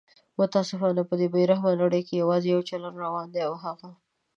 متاسفانه په دې بې رحمه نړۍ کې یواځي یو چلند روان دی او هغه